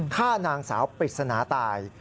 ฆ่านางสาวปริศนาตาย